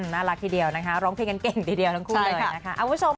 น่ารักทีเดียวนะคะร้องเพลงเก่งทั้งคู่เลยนะคะ